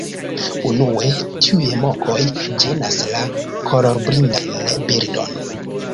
Unue, tiuj mokoj ĝenas la kolorblindan birdon.